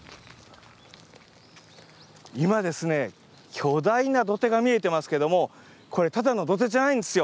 今ですね巨大な土手が見えてますけどもこれただの土手じゃないんですよ。